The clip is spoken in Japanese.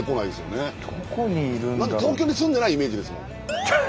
東京に住んでないイメージですもん。